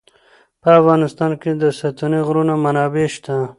په افغانستان کې د ستوني غرونه منابع شته.